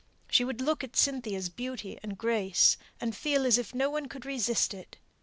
She would look at Cynthia's beauty and grace, and feel as if no one could resist it.